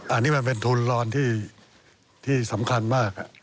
อันนี้มันเป็นทุนรอนที่สำคัญมาก